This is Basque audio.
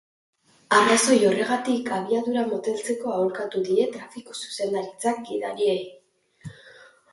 Arrazoi horregatik, abiadura moteltzeko aholkatu die trafiko zuzendaritzak gidariei.